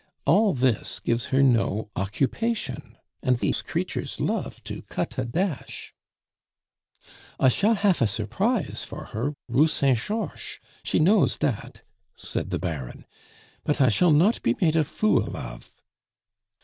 All this gives her no occupation, and these creatures love to cut a dash " "I shall hafe a surprise for her, Rue Saint Georches she knows dat," said the Baron. "But I shall not be made a fool of."